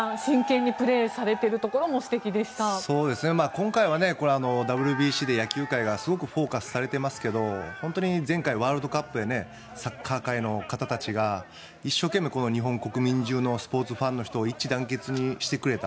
今回はＷＢＣで野球界がすごくフォーカスされていますが前回、ワールドカップでサッカー界の方たちが一生懸命日本国民中のスポーツファンの人たちを一致団結にしてくれた。